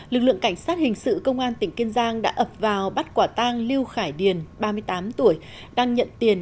lực lượng cảnh sát hình sự công an tỉnh kiên giang đã ập vào bắt quả tang lưu khải điền ba mươi tám tuổi